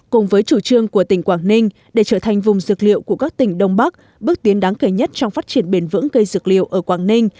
cùng với chủ trương của tỉnh quảng ninh để trở thành vùng dược liệu của các tỉnh đông bắc bước tiến đáng kể nhất trong phát triển bền vững cây dược liệu ở quảng ninh